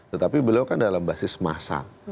tetapi beliau kan dalam basis masa